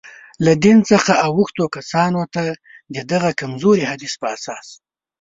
له دین څخه اوښتو کسانو ته، د دغه کمزوري حدیث په اساس.